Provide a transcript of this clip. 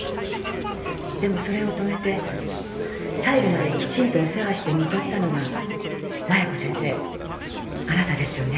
でもそれを止めて最後まできちんとお世話して看取ったのが麻弥子先生あなたですよね。